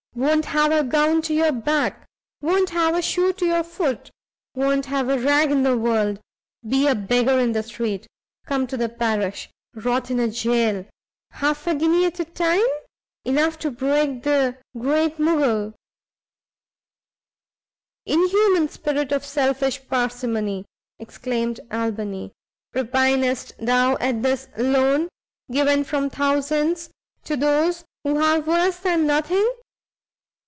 won't have a gown to your back! won't have a shoe to your foot! won't have a rag in the world! be a beggar in the street! come to the parish! rot in a jail! half a guinea at a time! enough to break the Great Mogul!" "Inhuman spirit of selfish parsimony!" exclaimed Albany, "repinest thou at this loan, given from thousands to those who have worse than nothing?